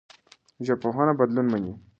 ژبپوهنه بدلون مني.